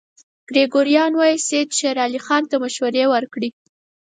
ګریګوریان وايي سید شېر علي خان ته مشورې ورکړې.